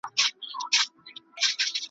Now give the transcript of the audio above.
نه څپلۍ نه به جامې د چا غلاکیږي .